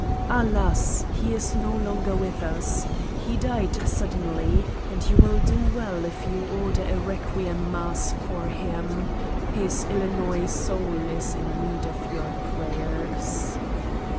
Alas! He is no longer with ns. He died suddenly and you will do well if you order a requiem mass for him: his Illinois soul is in need of your prayers.